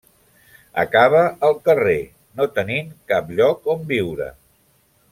Acaba al carrer, no tenint cap lloc on viure.